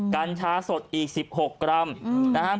กัญชาสดอีก๑๖กรัม